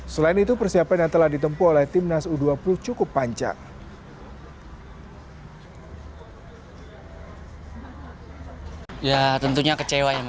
selain itu persiapan yang telah ditempuh oleh timnas u dua puluh cukup panjang